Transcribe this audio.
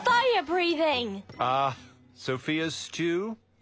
ああソフィアのシチューか。